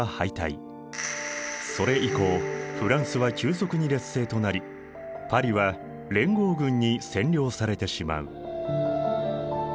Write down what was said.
それ以降フランスは急速に劣勢となりパリは連合軍に占領されてしまう。